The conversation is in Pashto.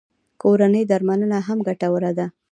کورنۍ درملنه هم ګټوره وي